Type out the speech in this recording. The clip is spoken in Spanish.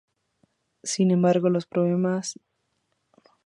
Sin embargo, los problemas de Iziaslav continuaron.